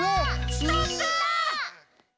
ストップ！